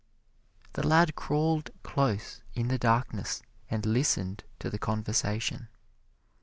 The lad crawled close in the darkness and listened to the conversation.